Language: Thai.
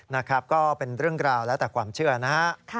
นะครับก็เป็นเรื่องราวแล้วแต่ความเชื่อนะฮะ